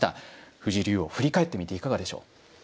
藤井竜王振り返ってみていかがでしょう。